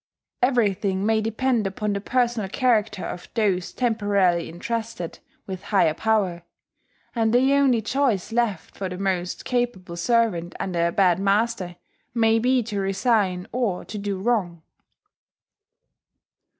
Everything may depend upon the personal character of those temporarily intrusted with higher power; and the only choice left for the most capable servant under a bad master may be to resign or to do wrong.